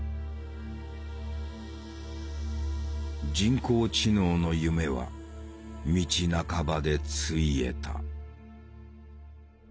人工知能の夢は道半ばでついえた。